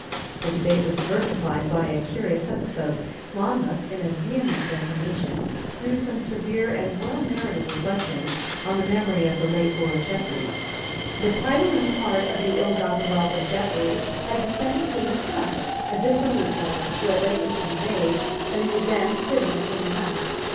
The debate was diversified by a curious episode. Monmouth, in a vehement declamation, threw some severe and well merited reflections on the memory of the late Lord Jeffreys. The title and part of the ill gotten wealth of Jeffreys had descended to his son, a dissolute lad, who had lately come of age, and who was then sitting in the House.